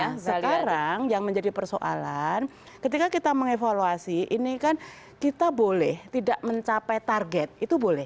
nah sekarang yang menjadi persoalan ketika kita mengevaluasi ini kan kita boleh tidak mencapai target itu boleh